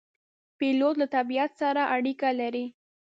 پیلوټ له طبیعت سره اړیکه لري.